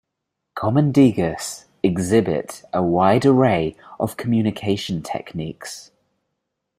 Common degus exhibit a wide array of communication techniques.